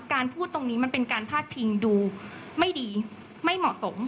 พูดตรงนี้มันเป็นการพาดพิงดูไม่ดีไม่เหมาะสม